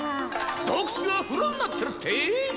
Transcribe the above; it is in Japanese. どうくつがふろになってるってえ！？